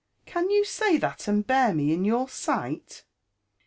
can you say that a6d bear me in your sight?